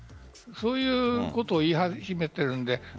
そういうことを言い始めているんです。